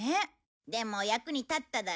でも役に立っただろ？